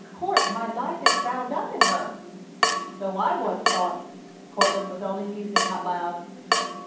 "Court, my life is bound up in her!" "So I once thought!" Courtland was only musing out loud.